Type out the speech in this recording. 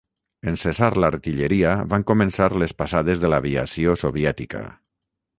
En cessar l'artilleria, van començar les passades de l'aviació soviètica.